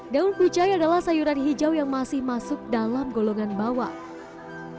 daun kucai adalah sayuran hijau yang masih masuk dalam golongan bawang